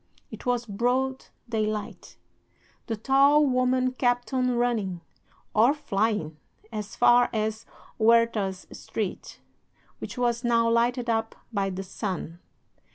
It was broad daylight. The tall woman kept on running, or flying, as far as Huertas Street, which was now lighted up by the sun.